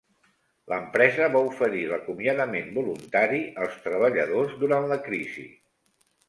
L'empresa va oferir l'acomiadament voluntari als treballadors durant la crisi.